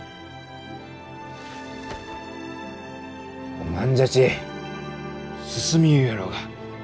おまんじゃち進みゆうろうが。